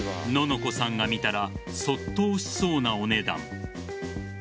のこさんが見たら卒倒しそうなお値段。